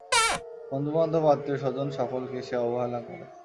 বন্ধুবান্ধব আত্মীয়স্বজন সকলকে সে অবহেলা করে।